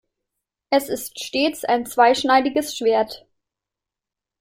Es ist stets ein zweischneidiges Schwert.